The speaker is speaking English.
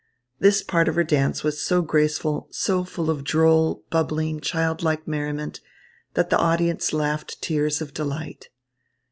This part of her dance was so graceful, so full of droll, bubbling, childlike merriment, that the audience laughed tears of delight.